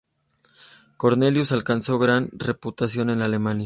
Cornelius alcanzó gran reputación en Alemania.